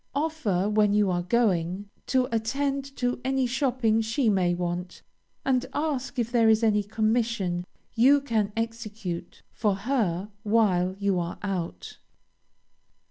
Offer, when you are going, to attend to any shopping she may want, and ask if there is any commission you can execute for her while you are out.